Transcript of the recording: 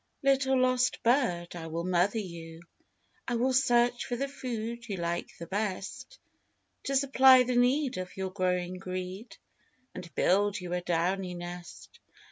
Little lost bird, I will "mother" you, I will search for the food you like the best, To supply the need Of your growing greed, And build you a downy nest.